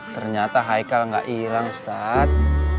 ternyata haikul gak ilang ustadz